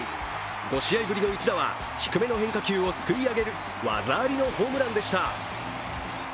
５試合ぶりの一打は、低めの変化球をすくい上げる技ありのホームランでした。